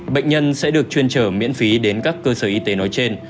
bệnh nhân sẽ được chuyên trở miễn phí đến các cơ sở y tế nói trên